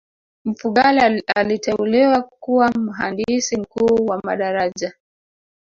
mfugale aliteuliwa kuwa mhandisi mkuu wa madaraja